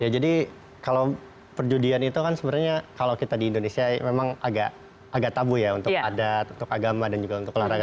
jadi kalau perjudian itu kan sebenarnya kalau kita di indonesia memang agak tabu ya untuk adat untuk agama dan juga untuk olahraga